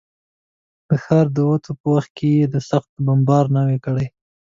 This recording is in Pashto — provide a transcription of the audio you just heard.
د ښاره د وتو په وخت کې یې سخت بمبار نه و کړی.